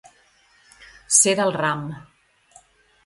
Ser del ram.